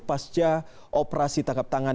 pasca operasi tangkap tangan